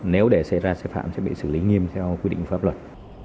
nếu để xe ra xe phạm sẽ bị xử lý nghiêm theo quy định pháp luật